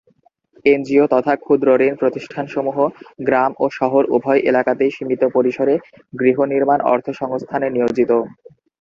NGO তথা ক্ষুদ্রঋণ প্রতিষ্ঠানসমূহ গ্রাম ও শহর উভয় এলাকাতেই সীমিত পরিসরে গৃহনির্মাণ অর্থসংস্থানে নিয়োজিত।